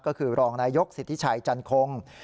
ก็คือรองนายกสิทธิชัยจันคง